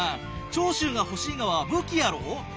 長州が欲しいがは武器やろお？